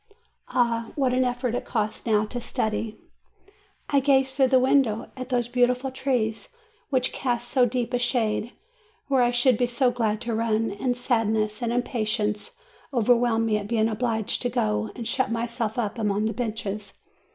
Ah, what an effort it costs now to study! I gaze 316 JUNE through the windows at those beautiful trees which cast so deep a shade, where I should be so glad to run, and sadness and impatience overwhelm me at being obliged to go and shut myself up among the benches.